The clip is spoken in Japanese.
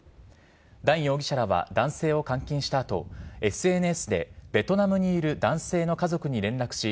ダン容疑者らは男性を監禁した後、ＳＮＳでベトナムにいる男性の家族に連絡し